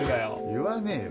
言わねえよ。